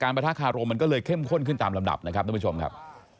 ประทะคารมมันก็เลยเข้มข้นขึ้นตามลำดับนะครับทุกผู้ชมครับ